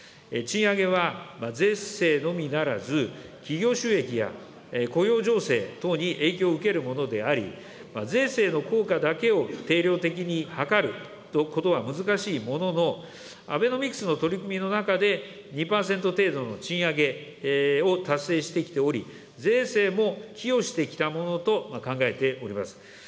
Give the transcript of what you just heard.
賃上げは税制のみならず、企業収益や雇用情勢等に影響を受けるものであり、税制の効果だけを定量的に測ることは難しいものの、アベノミクスの取り組みの中で、２％程度の賃上げを達成してきており、税制も寄与してきたものと考えております。